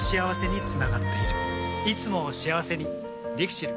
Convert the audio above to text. いつもを幸せにＬＩＸＩＬ。